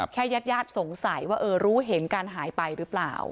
แค่ยัดสงสัยว่ารู้เห็นหายไปรึเปล่า